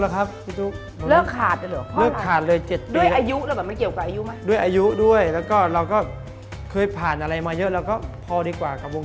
กินจิบครับบางทีก็บ้วนเอาก็มี